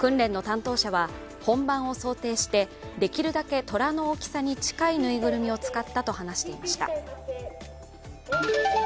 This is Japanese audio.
訓練の担当者は、本番を想定してできるだけ虎に近く、できるだけ大きなぬいぐるみを使ったと話しました。